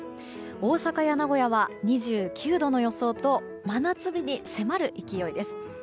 大阪や名古屋は２９度の予想と真夏日に迫る勢いです。